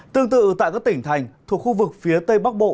tương tự tại các tỉnh thành thuộc khu vực phía tây bắc bộ